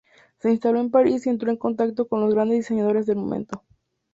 Se instaló en París y entró en contacto con los grandes diseñadores del momento.